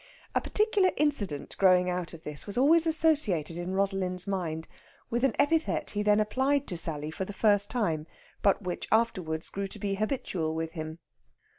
A particular incident growing out of this was always associated in Rosalind's mind with an epithet he then applied to Sally for the first time, but which afterwards grew to be habitual with him.